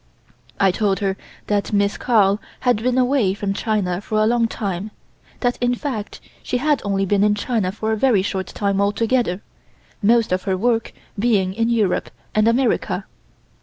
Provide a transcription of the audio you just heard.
I told her that Miss Carl had been away from China for a long time; that in fact she had only been in China for a very short time altogether, most of her work being in Europe and America.